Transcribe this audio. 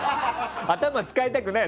頭使いたくないよ！